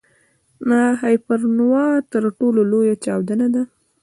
د هایپرنووا تر ټولو لویه چاودنه ده.